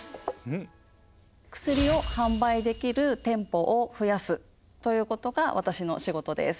薬を販売できる店舗を増やすということが私の仕事です。